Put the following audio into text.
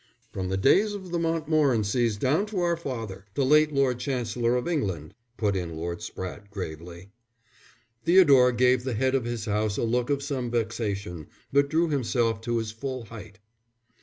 "From the days of the Montmorencys down to our father, the late Lord Chancellor of England," put in Lord Spratte, gravely. Theodore gave the head of his house a look of some vexation, but drew himself to his full height.